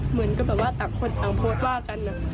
เหมือนกับแบบว่าต่างคนต่างโพสต์ว่ากัน